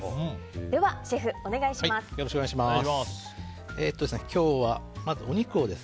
ではシェフ、お願いします。